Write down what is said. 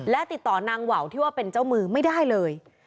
และติดต่อนางว่าวที่ว่าเป็นเจ้ามือไม่ได้เลย